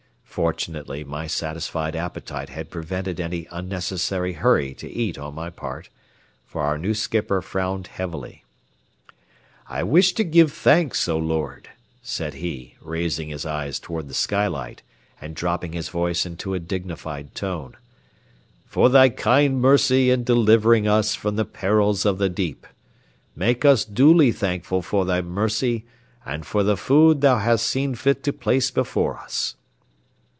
Fortunately, my satisfied appetite had prevented any unnecessary hurry to eat on my part, for our new skipper frowned heavily. "I wish to give thanks, O Lord," said he, raising his eyes toward the skylight and dropping his voice into a dignified tone, "for thy kind mercy in delivering us from the perils of the deep. Make us duly thankful for thy mercy and for the food thou hast seen fit to place before us."